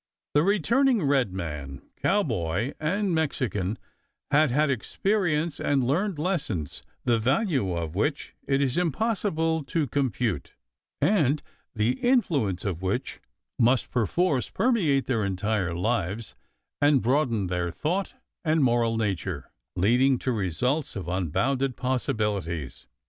The returning red man, cowboy, and Mexican had had experiences and learned lessons the value of which it is impossible to compute, and the influence of which must perforce permeate their entire lives and broaden their thought and moral nature, leading to results of unbounded possibilities.